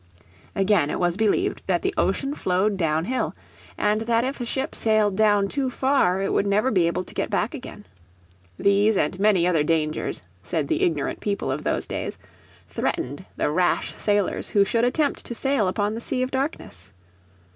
Again it was believed that the ocean flowed downhill, and that if a ship sailed down too far it would never be able to get back again. These and many other dangers, said the ignorant people of those days, threatened the rash sailors who should attempt to sail upon the Sea of Darkness.